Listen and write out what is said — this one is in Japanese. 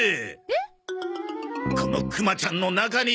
このクマちゃんの中に。